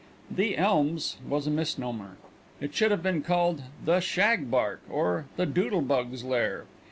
"The Elms" was a misnomer. It should have been called "The Shagbark" or "The Doodle Bug's Lair."